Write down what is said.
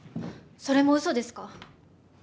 それもうそですか？